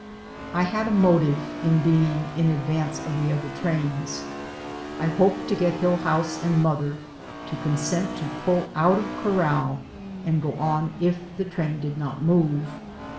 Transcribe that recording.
I had a motive in being in advance of the other trains. I hoped to get Hillhouse and mother to consent to pull out of corral and go on if the train did not move.